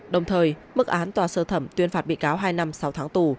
đồng thời mức án tòa sơ thẩm tuyên phạt bị cáo hai năm sáu tháng tù